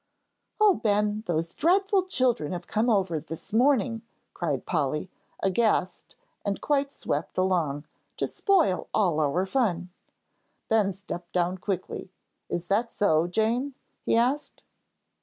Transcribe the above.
"Oh, Ben, those dreadful children have come over this morning," cried Polly, aghast and quite swept along, "to spoil all our fun." Ben stepped down quickly. "Is that so, Jane?" he asked.